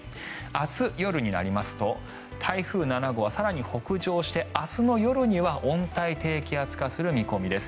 明日夜になりますと台風７号は更に北上して明日の夜には温帯低気圧化する見込みです。